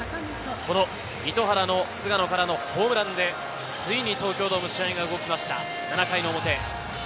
この糸原の菅野からのホームランで、ついに東京ドーム、試合が動きました、７回表。